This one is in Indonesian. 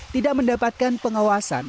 tidak mendapatkan pengawasan